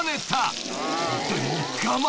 ［でも我慢。